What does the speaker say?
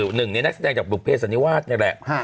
หนึ่งในนักแสดงจากบุภเพศสันนิวาสนี่แหละ